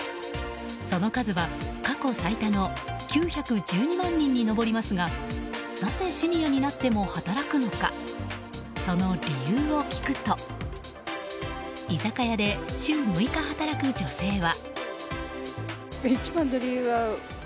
その数は過去最多の９１２万人に上りますがなぜシニアになっても働くのかその理由を聞くと居酒屋で週６日働く女性は。